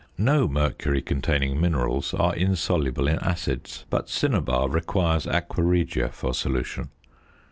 No mercury containing minerals are insoluble in acids; but cinnabar requires aqua regia for solution.